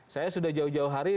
saya sudah jauh jauh hari